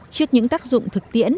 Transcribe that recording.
trước những tác dụng thực tiễn